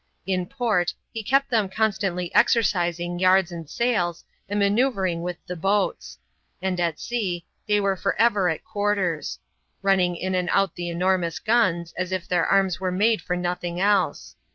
In port, he kept them constantly exercising yards and sails, and manoeuvring with the boats ; and at sea, they were for ever at quarters ; running in and out the enormous guns, as if their arms were made for nothing else.